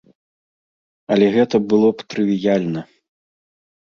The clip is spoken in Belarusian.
Але гэта было б трывіяльна.